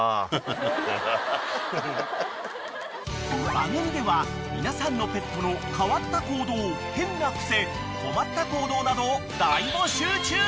［番組では皆さんのペットの変わった行動変な癖困った行動などを大募集中］